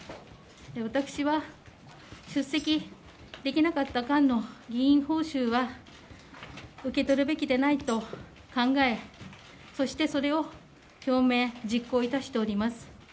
私は出席できなかった間の議員報酬は受け取るべきでないと考え、そしてそれを、表明実行いたしております。